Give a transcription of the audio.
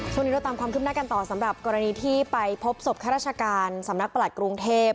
เราตามความคืบหน้ากันต่อสำหรับกรณีที่ไปพบศพข้าราชการสำนักประหลัดกรุงเทพ